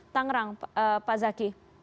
tangerang pak zaki